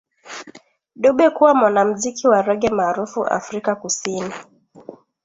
Dube kuwa mwanamziki wa rege maarufu Afrika Kusini